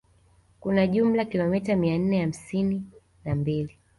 kuna jumla kilomita mia nne hasini na mbili